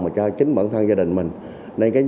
mà cho chính bản thân gia đình mình nên cái